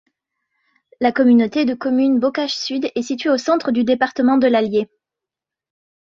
La communauté de communes Bocage Sud est située au centre du département de l'Allier.